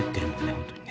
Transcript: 本当にね。